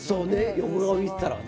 横顔見てたらね。